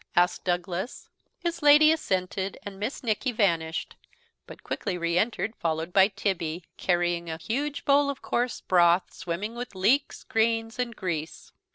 asked Douglas. His lady assented; and Miss Nicky vanished, but quickly re entered, followed by Tibby, carrying a huge bowl of coarse broth, swimming with leeks, greens, and grease.